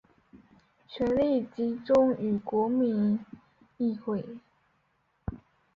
权力集中于国民议会。